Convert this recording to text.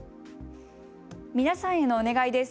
皆さんへのお願いです。